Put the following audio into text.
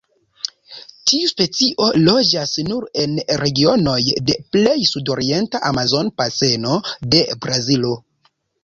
Tiu specio loĝas nur en regionoj de plej sudorienta Amazona Baseno de Brazilo.